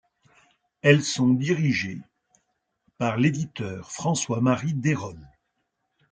Elles sont dirigées par l'éditeur François-Marie Deyrolle.